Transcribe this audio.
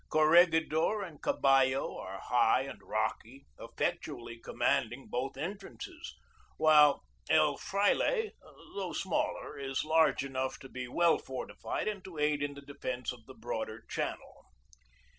Corregidor and Caballo are high and rocky, effectually commanding both entrances, while El Fraile, though smaller, is large enough to be well fortified and to aid in the defence of the broader channel.